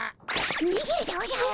にげるでおじゃる。